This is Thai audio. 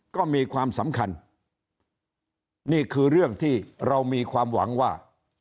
ก็มีความสำคัญนี่คือเรื่องที่เรามีความหวังว่า